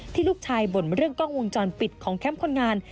ลูกชายบ่นเรื่องกล้องวงจรปิดของแคมป์คนงาน